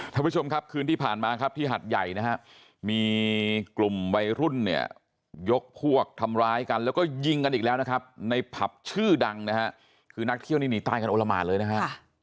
ท่านผู้ชมครับคืนที่ผ่านมาครับที่หัดใหญ่นะฮะมีกลุ่มวัยรุ่นเนี่ยยกพวกทำร้ายกันแล้วก็ยิงกันอีกแล้วนะครับในผับชื่อดังนะฮะคือนักเที่ยวนี้หนีตายกันโอละหมานเลยนะฮะ